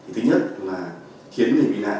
thứ nhất là khiến người bị nạn